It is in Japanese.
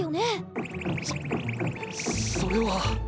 そそれは。